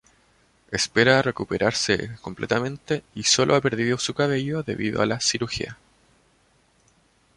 Espera recuperarse completamente y sólo ha perdido su cabello debido a la cirugía.